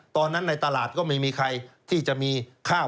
ตอนนั้นในตลาดก็ไม่มีใครที่จะมีข้าว